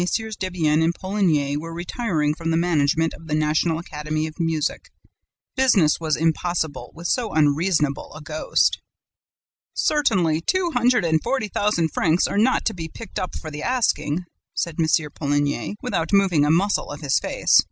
Debienne and Poligny were retiring from the management of the National Academy of Music. Business was impossible with so unreasonable a ghost. "'Certainly, two hundred and forty thousand francs are not be picked up for the asking,' said M. Poligny, without moving a muscle of his face.